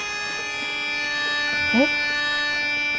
えっ？